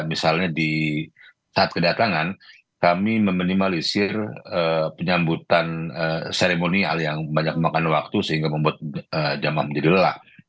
misalnya di saat kedatangan kami meminimalisir penyambutan seremonial yang banyak memakan waktu sehingga membuat jemaah menjadi lelah